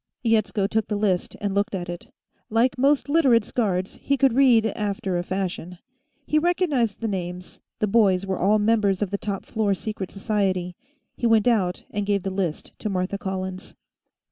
Yetsko took the list and looked at it. Like most Literates' guards, he could read, after a fashion. He recognized the names; the boys were all members of the top floor secret society. He went out and gave the list to Martha Collins.